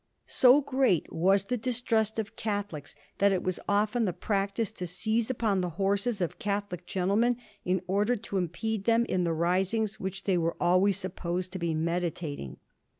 So great was the distrust of Catholics, that it was often the practice to seize upon the horses of Catholic gentle men in order to impede them in the risings which they were always supposed to be meditating.